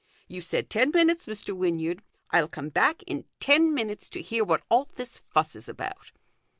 You said ten minutes, Mr. Wynyard. I'll come back in ten minutes to hear what all this fuss is about."